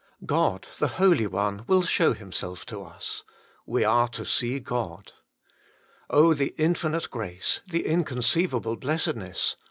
God, the Holy One, will show Himself to us : we are to see God. Oh, the infinite grace, the inconceivable blessedness